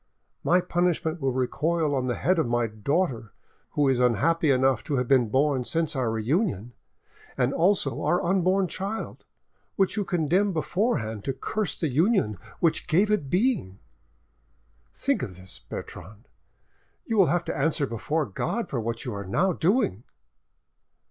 My punishment will recoil on the head of my daughter, who is unhappy enough to have been born since our reunion, and also on our unborn child, which you condemn beforehand to curse the union which gave it being. Think of this, Bertrande, you will have to answer before God for what you are now doing!"